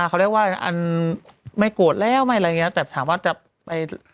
เขาเรียกว่าอันไม่โกรธแล้วไม่อะไรอย่างเงี้ยแต่ถามว่าจะไป